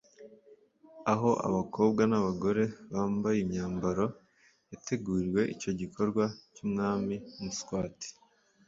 aho abakobwa n’abagore bambaye imyambaro yateguriwe icyo gikorwa cy’umwami Mswati